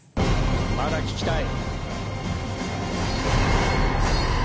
まだ聴きたい。